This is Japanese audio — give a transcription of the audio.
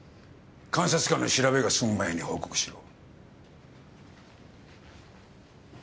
監察官の調べが済む前に報告しろ。